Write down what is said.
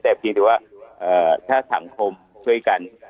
แต่ว่าถ้าสังคมช่วยกัน